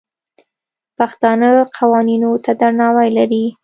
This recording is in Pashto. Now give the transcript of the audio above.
پښتانه قوانینو ته درناوی لري.